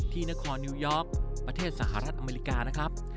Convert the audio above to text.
ที่นครนิวยอร์กประเทศสหรัฐอเมริกานะครับ